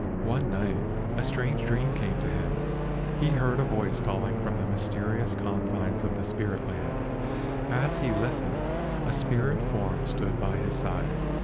One night a strange dream came to him. He heard a voice calling from the mysterious con¬ fines of the spirit land. As he listened, a spirit form stood by his side.